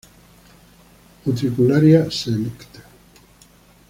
Utricularia sect.